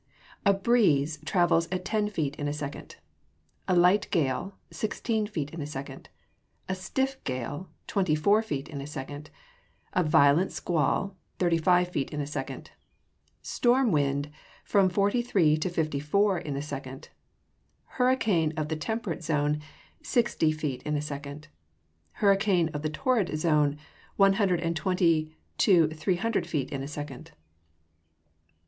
_ A breeze travels ten feet in a second; a light gale, sixteen feet in a second; a stiff gale, twenty four feet in a second; a violent squall, thirty five feet in a second; storm wind, from forty three to fifty four in a second; hurricane of the temperate zone, sixty feet in a second; hurricane of the torrid zone, one hundred and twenty to three hundred feet in a second.